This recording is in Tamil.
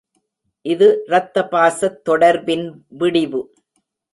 இது ரத்தபாசத் தொடர்பின் விடிவு!